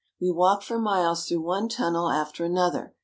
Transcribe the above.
We walk for miles through one tunnel after another.